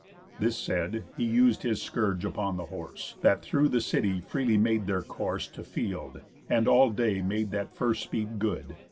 This said, he us'd his scourge upon the horse, That through the city freely made their course To field, and all day made that first speed good.